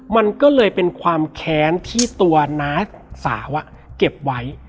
มันก็เลยเป็นความแค้นที่ตัวน้าสาวเก็บไว้